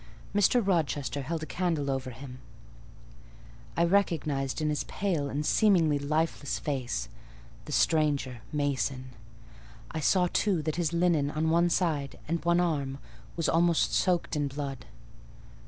Mr. Rochester held the candle over him; I recognised in his pale and seemingly lifeless face—the stranger, Mason: I saw too that his linen on one side, and one arm, was almost soaked in blood.